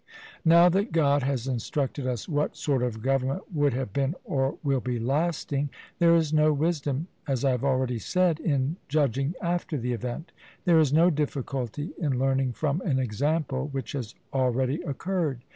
Now that God has instructed us what sort of government would have been or will be lasting, there is no wisdom, as I have already said, in judging after the event; there is no difficulty in learning from an example which has already occurred.